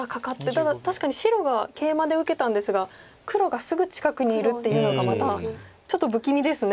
ただ確かに白がケイマで受けたんですが黒がすぐ近くにいるっていうのがまたちょっと不気味ですね。